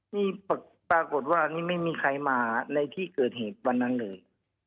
นี่ปรากฏว่านี่ไม่มีใครมาในที่เกิดเหตุวันนั้นเลย